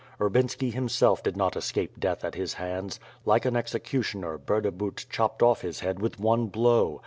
Urbinski himself did not escape death at his hands, like an executioner, Burdabut chopped off his head with one blow.